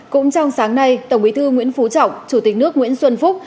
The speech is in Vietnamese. cũng trong sáng nay tổng bí thư nguyễn phú trọng chủ tịch nước nguyễn xuân phúc